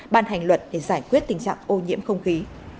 ban hành luật để giải quyết tình trạng ô nhiễm không khí